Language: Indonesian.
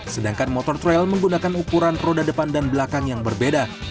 sedangkan motor trail menggunakan ukuran roda depan dan belakang yang berbeda